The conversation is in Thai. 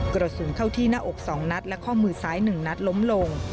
กระสุนเข้าที่หน้าอก๒นัดและข้อมือซ้าย๑นัดล้มลง